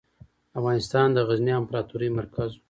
افغانستان د غزني امپراتورۍ مرکز و.